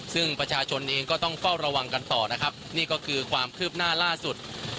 ซึ่งประชาชนเองก็ต้องเฝ้าระวังกันต่อนะครับนี่ก็คือความคืบหน้าล่าสุด